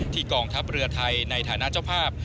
กองทัพเรือไทยในฐานะเจ้าภาพ